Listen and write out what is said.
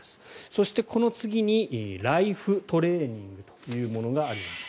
そしてこの次にライフトレーニングというものがあります。